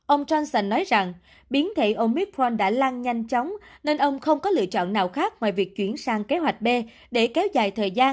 ông johnson nói rằng biến thể omithron đã lan nhanh chóng nên ông không có lựa chọn nào khác ngoài việc chuyển sang kế hoạch b để kéo dài thời gian